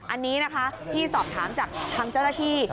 อันนี้นะคะที่สอบถามจากทางเจ้าหน้าที่